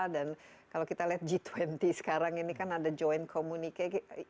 dan kalau kita lihat g dua puluh sekarang ini kan ada joint communique